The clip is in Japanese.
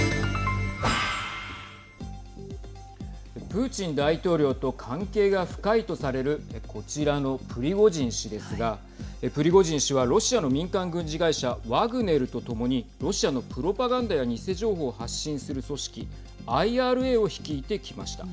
プーチン大統領と関係が深いとされるこちらのプリゴジン氏ですがプリゴジン氏はロシアの民間軍事会社ワグネルとともにロシアのプロパガンダや偽情報を発信する組織ＩＲＡを率いてきました。